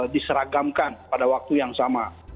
diseragamkan pada waktu yang sama